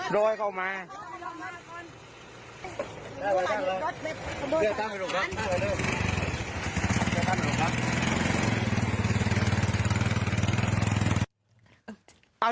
ลองมาลองมาลองมาก่อน